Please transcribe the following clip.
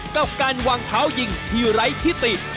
กับการวางเท้ายิงที่ไร้ที่ติด